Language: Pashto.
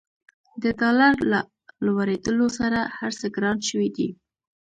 د ډالر له لوړېدولو سره هرڅه ګران شوي دي.